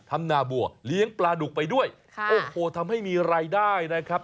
นาบัวเลี้ยงปลาดุกไปด้วยค่ะโอ้โหทำให้มีรายได้นะครับ